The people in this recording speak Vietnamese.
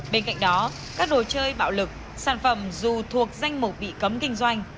bên cạnh đó các đồ chơi bạo lực sản phẩm dù thuộc danh mục bị cấm kinh doanh